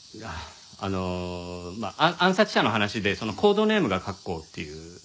あの暗殺者の話でそのコードネームが「郭公」っていう。